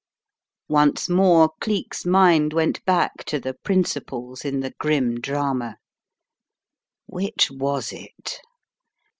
Once more Cleek's mind went back to the principals in the grim drama. Which was it?